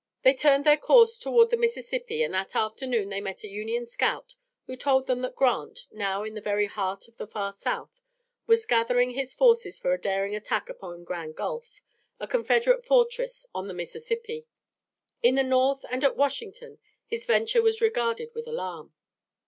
They turned their course toward the Mississippi and that afternoon they met a Union scout who told them that Grant, now in the very heart of the far South, was gathering his forces for a daring attack upon Grand Gulf, a Confederate fortress on the Mississippi. In the North and at Washington his venture was regarded with alarm.